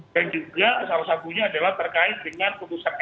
dan juga salah satunya adalah terkait dengan keputusan mk